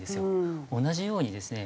同じようにですね